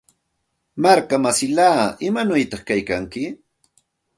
Markamsillaa, ¿imanawta kaykanki?